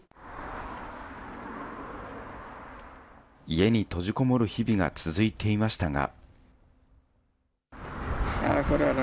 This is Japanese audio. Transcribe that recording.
家に閉じこもる日々が続いていましたが。